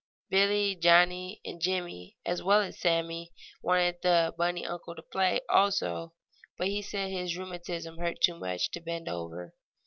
Billie, Johnnie and Jimmie, as well as Sammie, wanted the bunny uncle to play also, but he said his rheumatism hurt too much to bend over.